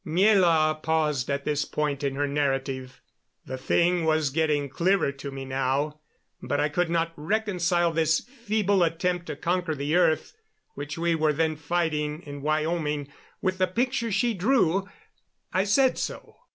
Miela paused at this point in her narrative. The thing was getting clearer to me now, but I could not reconcile this feeble attempt to conquer the earth which we were then fighting in Wyoming with the picture she drew. I said so.